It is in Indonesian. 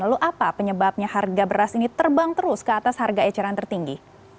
lalu apa penyebabnya harga beras ini terbang terus ke atas harga eceran tertinggi